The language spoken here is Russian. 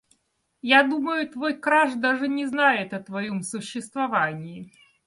Я думаю, твой краш даже не знает о твоём существовании.